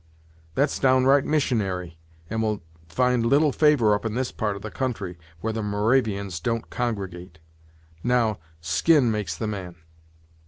"That's downright missionary, and will find little favor up in this part of the country, where the Moravians don't congregate. Now, skin makes the man.